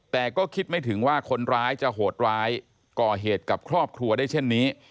แต่ก็คิดไม่ถึงว่าคนร้ายจะโหดร้ายก่อเหตุกับครอบครัวได้เช่นนี้